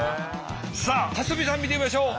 さあ蓮見さん見てみましょう。